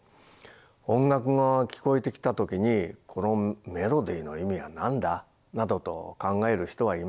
音楽が聞こえてきた時に「このメロディーの意味は何だ？」などと考える人はいません。